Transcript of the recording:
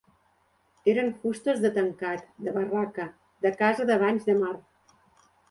Eren fustes de tancat, de barraca, de casa de banys de mar